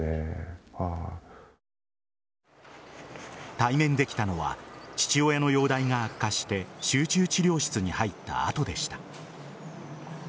対面できたのは父親の容態が悪化して集中治療室に入った後でした。